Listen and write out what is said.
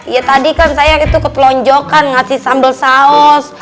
iya tadi kan saya itu ketelonjokan ngasih sambal saus